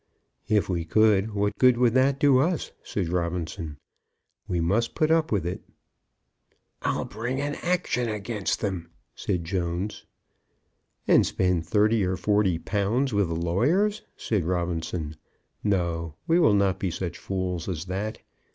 "If we could, what good would that do us?" said Robinson. "We must put up with it." "I'd bring an action against them," said Jones. "And spend thirty or forty pounds with the lawyers," said Robinson. "No; we will not be such fools as that.